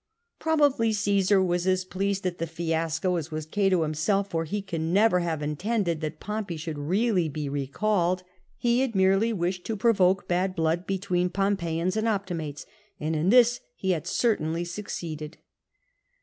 Probably Cassar was as pleased at the fiasco as was Cato himself, for he can never have intended that Pompey should really be recalled. He had merely wished to provoke bad blood between Pompeians and Optimates, and in this he had certainly succeeded.